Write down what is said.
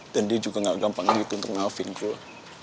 dan dia juga gak gampang gitu untuk maafin gue